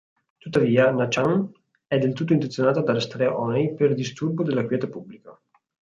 Tuttavia, Na-chan è del tutto intenzionata ad arrestare Honey per disturbo della quiete pubblica.